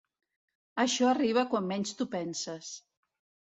Això arriba quan menys t'ho penses.